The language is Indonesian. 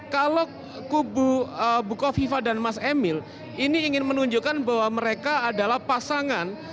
kalau kubu kofifa dan mas emil ini ingin menunjukkan bahwa mereka adalah pasangan